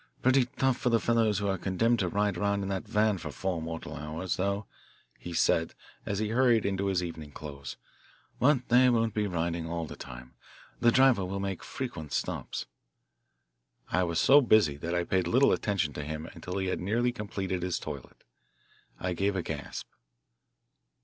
"Pretty tough for the fellows who are condemned to ride around in that van for four mortal hours, though," he said as he hurried into his evening clothes, "but they won't be riding all the time. The driver will make frequent stops." I was so busy that I paid little attention to him until he had nearly completed his toilet. I gave a gasp.